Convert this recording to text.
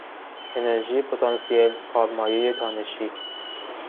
انرژی پتانسیل، کارمایهی تانشی